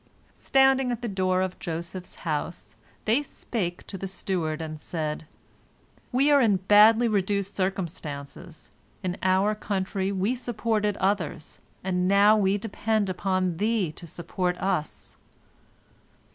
Standing at the door of Joseph's house, they spake to the steward, and said: "We are in badly reduced circumstances. In our country we supported others, and now we depend upon thee to support us."